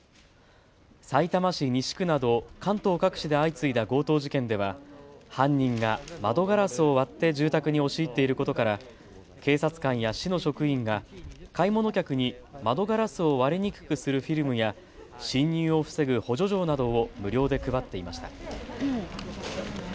さいたま市西区など関東各地で相次いだ強盗事件では犯人が窓ガラスを割って住宅に押し入っていることから警察官や市の職員が買い物客に窓ガラスを割れにくくするフィルムや侵入を防ぐ補助錠などを無料で配っていました。